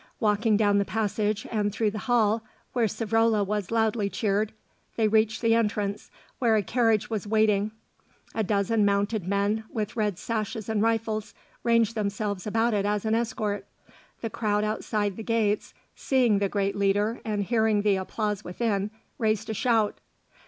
Walking down the passage and through the hall, where Savrola was loudly cheered, they reached the entrance, where a carriage was waiting. A dozen mounted men, with red sashes and rifles, ranged themselves about it as an escort. The crowd outside the gates, seeing the great leader and hearing the applause within, raised a shout.